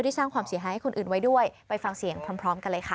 สร้างความเสียหายให้คนอื่นไว้ด้วยไปฟังเสียงพร้อมกันเลยค่ะ